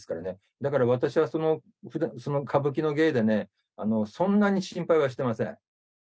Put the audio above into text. だから、私はその歌舞伎の芸でそんなに心配はしてません。